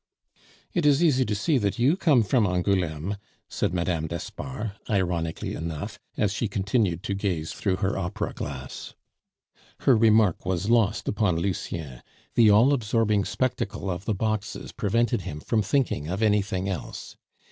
"It is easy to see that you come from Angouleme," said Mme. d'Espard, ironically enough, as she continued to gaze through her opera glass. Her remark was lost upon Lucien; the all absorbing spectacle of the boxes prevented him from thinking of anything else.